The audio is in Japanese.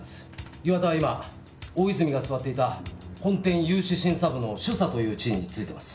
岩田は今大泉が座っていた本店融資審査部の主査という地位に就いています。